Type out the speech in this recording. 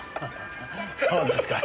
そうですか。